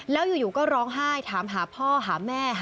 แล้วอยู่ก็ร้องไห้ถามหาพ่อหาแม่